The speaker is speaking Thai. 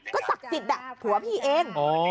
ก็ศักดิ์สิทธิ์ผัวพี่เอง